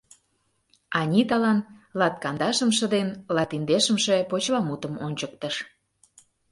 Аниталан латкандашымше ден латиндешымше почеламутым ончыктыш.